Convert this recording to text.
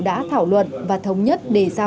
đã thảo luận và thống nhất để ra